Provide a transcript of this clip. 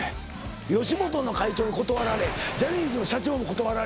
吉本の会長に断られジャニーズの社長も断られやな。